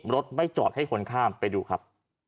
รถไม่จอดให้คนข้ามไปดูครับ